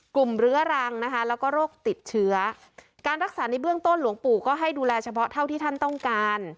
เรื้อรังนะคะแล้วก็โรคติดเชื้อการรักษาในเบื้องต้นหลวงปู่ก็ให้ดูแลเฉพาะเท่าที่ท่านต้องการ